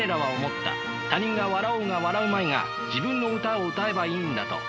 他人が笑おうが笑うまいが自分の歌を歌えばいいんだと。